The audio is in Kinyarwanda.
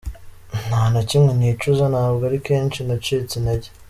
Nta na kimwe nicuza, ntabwo ari kenshi nacitse intege.